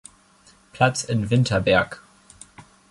Platz in Winterberg.